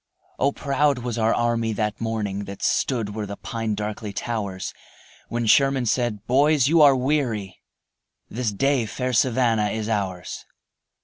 O, proud was our army that morning That stood where the pine darkly towers, When Sherman said: "Boys, you are weary, This day fair Savannah is ours."